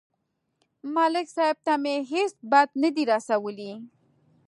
ملک صاحب ته مې هېڅ بد نه دي رسولي